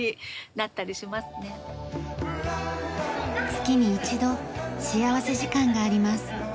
月に一度幸福時間があります。